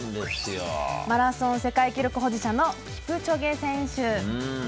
マラソン世界記録保持者のキプチョゲ選手。